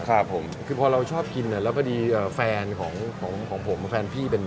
ครับผมคือพอเราชอบกินแล้วปะดีแฟนของผมแฟนพี่เป็นเชฟ